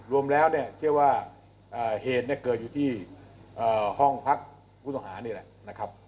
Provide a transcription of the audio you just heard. รวมแล้วเชื่อว่าเหตุเกิดอยู่ที่ห้องพักผู้ต้องหานี่แหละ